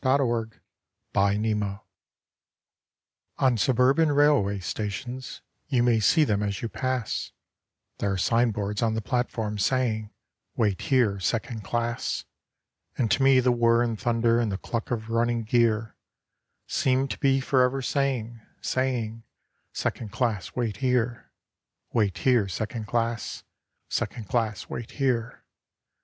SECOND CLASS WAIT HERE On suburban railway stations you may see them as you pass There are signboards on the platforms saying, 'Wait here second class;' And to me the whirr and thunder and the cluck of running gear Seem to be for ever saying, saying 'Second class wait here' 'Wait here second class, Second class wait here.